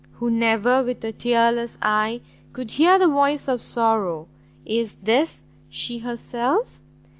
who never with a tearless eye could hear the voice of sorrow! is This she herself!